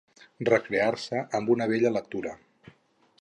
Recrear-se amb una bella lectura.